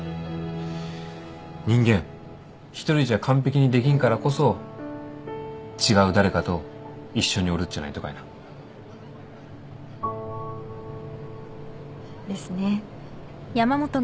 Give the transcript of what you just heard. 人間１人じゃ完璧にできんからこそ違う誰かと一緒におるっちゃないとかやな？ですね。